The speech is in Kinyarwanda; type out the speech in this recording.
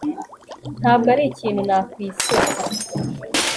ntabwo arikintu nakwisetsa